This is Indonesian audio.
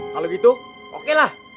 kalau gitu oke lah